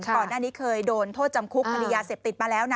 ก่อนหน้านี้เคยโดนโทษจำคุกคดียาเสพติดมาแล้วนะ